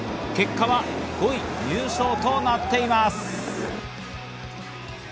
結果は５位入賞となっています。